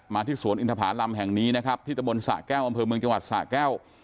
ที่สวนอินทภารำแห่งนี้นะครับที่ตะบนสะแก้วอำเภอเมืองจังหวัดสะแก้ว